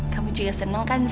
kamu juga seneng kan za